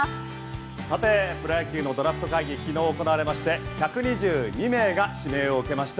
さて、プロ野球のドラフト会議昨日行われまして１２２名が指名を受けました。